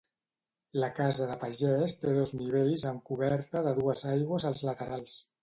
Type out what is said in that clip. La casa de pagès té dos nivells amb coberta de dues aigües als laterals.